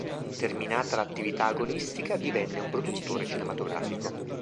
Terminata l'attività agonistica divenne un produttore cinematografico.